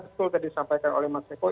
betul tadi disampaikan oleh mas eko